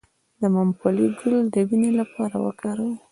د ممپلی ګل د وینې لپاره وکاروئ